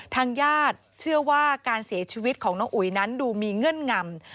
ทางญาติเชื่อว่าการเสียชีวิตของน้องอุ๋ยนั้นดูมีเงื่อนงำ